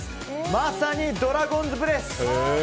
まさにドラゴンズブレス！